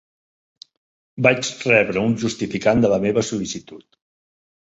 Vaig rebre un justificant de la meva sol·licitud.